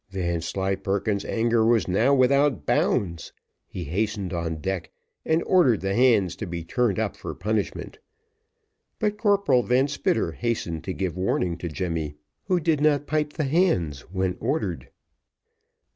Vanslyperken's anger was now without bounds. He hastened on deck, and ordered the hands to be turned up for punishment, but Corporal Van Spitter hastened to give warning to Jemmy, who did not pipe the hands when ordered.